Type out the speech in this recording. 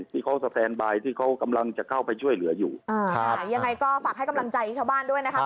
ที่เขาสแตนบายที่เขากำลังจะเข้าไปช่วยเหลืออยู่อ่ายังไงก็ฝากให้กำลังใจชาวบ้านด้วยนะครับ